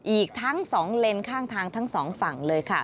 อีกทั้ง๒เลนข้างทางทั้งสองฝั่งเลยค่ะ